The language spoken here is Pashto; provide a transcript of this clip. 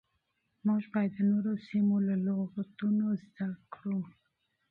موږ بايد د نورو سيمو له لغتونو زده کړو.